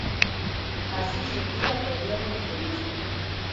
Así xurdiu a teoría evolucionista.